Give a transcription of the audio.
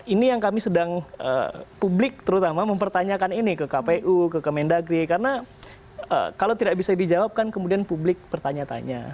ini yang kami sedang publik terutama mempertanyakan ini ke kpu ke kemendagri karena kalau tidak bisa dijawabkan kemudian publik bertanya tanya